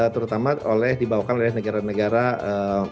terutama dibawakan oleh negara negara yang berpengalaman